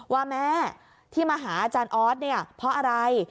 ว่าแม่ที่มาหาอาจารย์ออสเนี่ยเพราะอะไร